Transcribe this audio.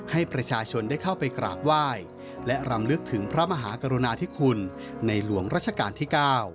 ให้ประชาชนได้เข้าไปกราบไหว้และรำลึกถึงพระมหากรุณาธิคุณในหลวงรัชกาลที่๙